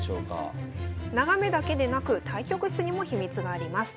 眺めだけでなく対局室にも秘密があります。